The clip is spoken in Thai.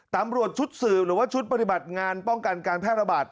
ตำรวจชุดสืบหรือว่าชุดปฏิบัติงานป้องกันการแพร่ระบาด